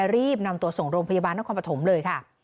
รีบนำตัวส่งโรงพยาบาลนครปฐมเลยค่ะ